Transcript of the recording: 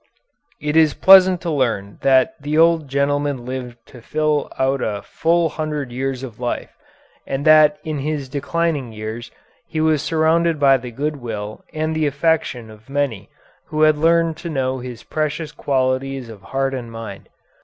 It is pleasant to learn that the old gentleman lived to fill out a full hundred years of life, and that in his declining years he was surrounded by the good will and the affection of many who had learned to know his precious qualities of heart and mind.